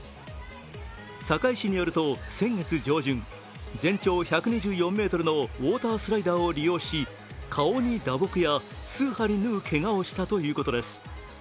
堺市によると先月上旬、全長１２４ｍのウオータースライダーを利用し顔に打撲や数針縫うけがをしたということです。